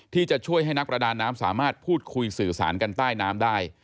ที่จะช่วยให้นักประดาน้ำสามารถพูดคุยสื่อสารกันใต้น้ำได้